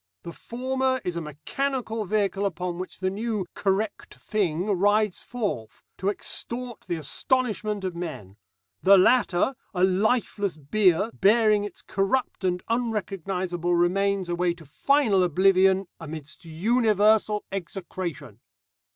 The former is a mechanical vehicle upon which the new 'correct thing' rides forth, to extort the astonishment of men; the latter a lifeless bier bearing its corrupt and unrecognisable remains away to final oblivion, amidst universal execration.